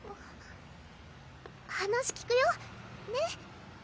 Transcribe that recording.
話聞くよねっ？